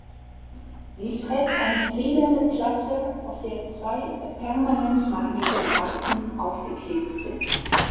Sie trägt eine federnde Platte, auf der zwei Permanentmagnet-Streifen aufgeklebt sind.